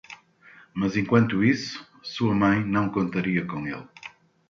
Mas enquanto isso, sua mãe não contaria com ele.